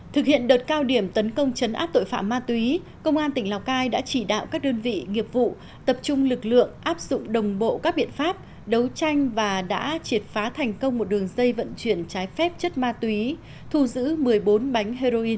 thực hiện đợt cao điểm tấn công chấn áp tội phạm ma túy công an tỉnh lào cai đã chỉ đạo các đơn vị nghiệp vụ tập trung lực lượng áp dụng đồng bộ các biện pháp đấu tranh và đã triệt phá thành công một đường dây vận chuyển trái phép chất ma túy thu giữ một mươi bốn bánh heroin